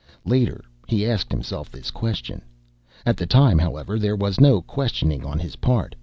Later, he asked himself this question. At the time, however, there was no questioning on his part.